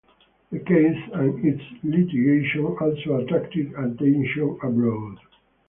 The case and its litigation also attracted attention abroad.